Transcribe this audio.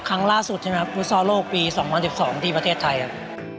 ครั้งล่าสุดใช่ไหมฟุตซอลโลกปี๒๐๑๒ที่ประเทศไทยครับ